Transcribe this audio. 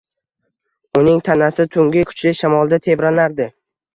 Uning tanasi tungi kuchli shamolda tebranardi